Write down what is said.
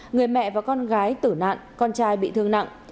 người mẹ và con gái tử nạn con trai bị thương nặng